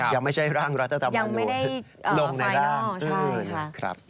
ยังไม่ใช่ร่างรัฐธรรมนุษย์ลงในร่างใช่ค่ะยังไม่ได้ลงในร่าง